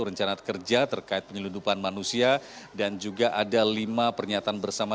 rencana kerja terkait penyelundupan manusia dan juga ada lima pernyataan bersama